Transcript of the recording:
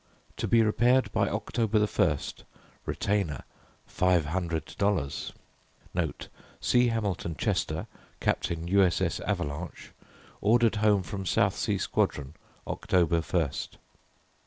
To be repaired by October 1st Retainer $500. "Note. C. Hamilton Chester, Captain U.S.S. 'Avalanche', ordered home from South Sea Squadron October 1st."